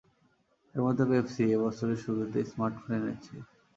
এর মধ্যে পেপসি এ বছরের শুরুতে স্মার্টফোন এনেছে।